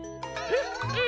えっ？